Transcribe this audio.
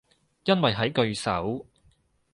因為喺句首